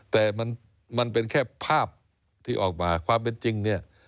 แต่มันเป็นแค่ภาพที่ออกมาความเป็นจริงเนี่ย